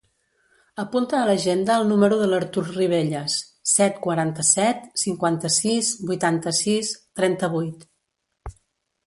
Apunta a l'agenda el número de l'Artur Ribelles: set, quaranta-set, cinquanta-sis, vuitanta-sis, trenta-vuit.